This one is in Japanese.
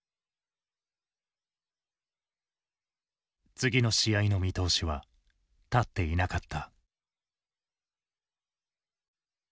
次の試合の見通しは立っていなかった。